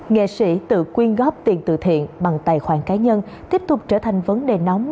nghệ sĩ tự quyên góp tiền từ thiện bằng tài khoản cá nhân tiếp tục trở thành vấn đề nóng